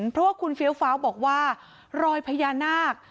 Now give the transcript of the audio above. เพราะว่าคุณเฟี้ยวฟ้าวบอกว่ารอยพญานาค